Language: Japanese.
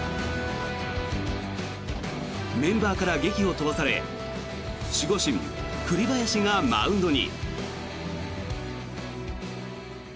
メンバーから檄を飛ばされ守護神、栗林がマウンドに。